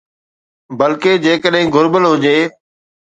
بلڪه، جيڪڏهن گهربل هجي